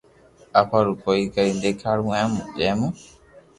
آپ ھارو ڪوئي ڪرن ديکارو ھي جي مون